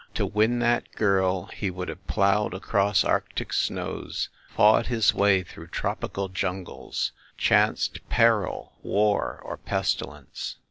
To win that girl he would have ploughed across Arctic snows, fought his way through tropical jungles, chanced peril, war or pesti lence.